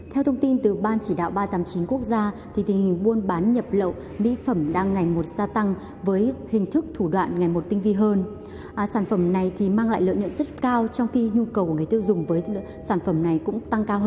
theo thông tin từ ban chỉ đạo ba trăm tám mươi chín quốc gia thì tình hình buôn bán nhập lậu mỹ phẩm đang ngành một gia tăng với hình thức thủ đoạn